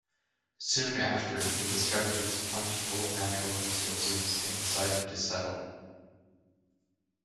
Soon after, they discovered its plentiful natural resources and decided to settle.